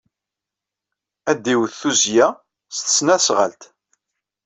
Ad d-iwet tuzzya s tesnasɣalt.